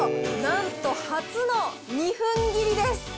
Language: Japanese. なんと初の２分切りです。